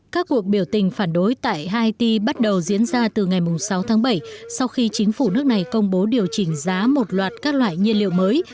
các cuộc biểu tình phản đối tại haiti bắt đầu diễn ra từ ngày sáu tháng bảy sau khi chính phủ nước này công bố điều chỉnh giá một loạt các loại nhiên liệu mới